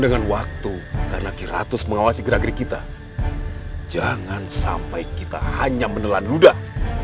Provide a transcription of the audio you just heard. dengan waktu karena kiratus mengawasi gerak gerik kita jangan sampai kita hanya menelan ludah